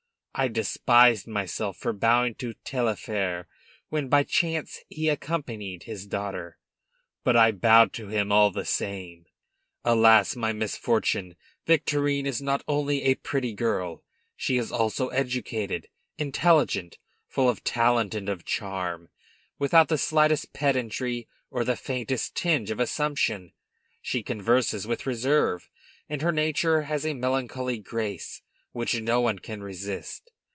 I despised myself for bowing to Taillefer when, by chance, he accompanied his daughter, but I bowed to him all the same. Alas! for my misfortune Victorine is not only a pretty girl, she is also educated, intelligent, full of talent and of charm, without the slightest pedantry or the faintest tinge of assumption. She converses with reserve, and her nature has a melancholy grace which no one can resist.